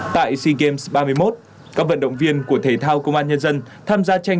tại sea games ba mươi một các vận động viên của thể thao công an nhân dân tham gia tranh